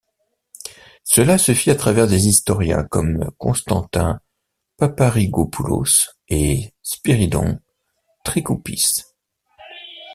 Cela se fit à travers des historiens comme Constantin Paparrigópoulos et Spyrídon Trikoúpis.